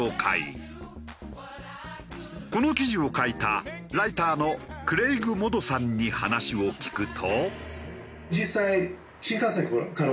この記事を書いたライターのクレイグ・モドさんに話を聞くと。